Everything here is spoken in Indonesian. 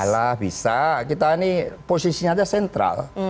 lah bisa kita ini posisinya aja sentral